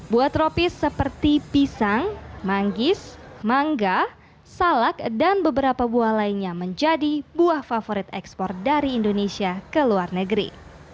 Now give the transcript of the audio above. buah tropis seperti pisang manggis mangga salak dan beberapa buah lainnya menjadi buah favorit ekspor dari indonesia ke luar negeri